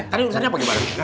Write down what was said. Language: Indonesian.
tadi urusannya apa gimana